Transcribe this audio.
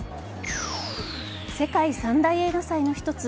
世界三大映画祭の１つ